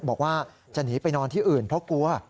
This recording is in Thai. บอกว่าจะหนีไปนอนที่อื่นเพราะกลัว